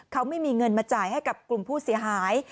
เขาไม่มีเงินมาจ่ายให้กับกลุ่มผู้เสียหาย